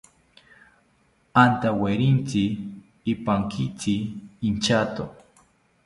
Antawerintzi ipankitzi inchato